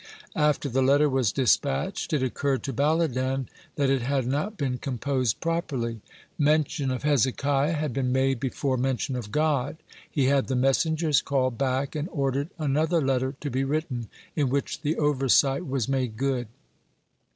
After the letter was dispatched, it occurred to Baladan that it had not been composed properly. Mention of Hezekiah had been made before mention of God. He had the messengers called back, and ordered another letter to be written, in which the oversight was made good.